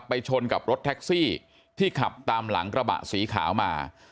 ชนกับรถแท็กซี่ที่ขับตามหลังกระบะสีขาวมา